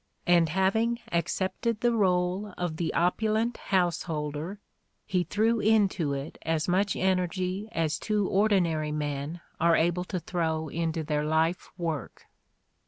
And having ac cepted the role of the opulent householder, he threw into it as much energy as two ordinary men are able to throw into their life work.